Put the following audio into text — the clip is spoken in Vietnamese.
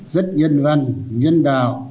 rất nhân văn nhân đạo